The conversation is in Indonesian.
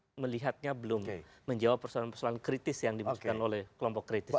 saya melihatnya belum menjawab persoalan persoalan kritis yang dibutuhkan oleh kelompok kritis